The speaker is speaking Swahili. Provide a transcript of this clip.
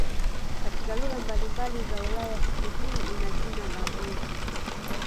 Katika lugha mbalimbali za Ulaya siku hii ina jina la "mwezi".